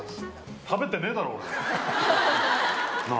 食べてねぇだろ、俺。なあ。